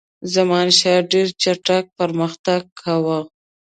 زمانشاه ډېر چټک پرمختګ کاوه.